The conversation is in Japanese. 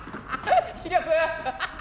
ハハハ！